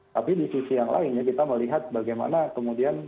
tapi di sisi yang lainnya kita melihat bagaimana kemudian